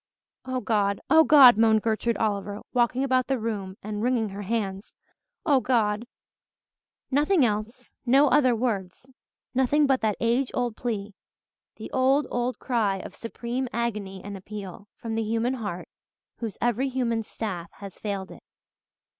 "Oh God Oh God," moaned Gertrude Oliver, walking about the room and wringing her hands, "Oh God!" Nothing else no other words nothing but that age old plea the old, old cry of supreme agony and appeal, from the human heart whose every human staff has failed it.